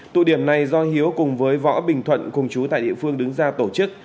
tụ điểm này do hiếu cùng với võ bình thuận cùng chú tại địa phương đứng ra tổ chức